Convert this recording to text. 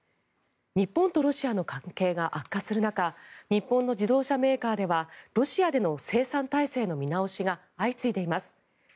日本とロシアの関係が悪化する中日本の自動車メーカーではロシアでの生産体制の見直しが相次いでいます。